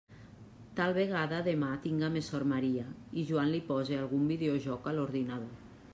Tal vegada demà tinga més sort Maria i Joan li pose algun videojoc a l'ordinador.